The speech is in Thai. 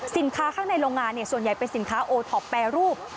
ข้างในโรงงานส่วนใหญ่เป็นสินค้าโอท็อปแปรรูป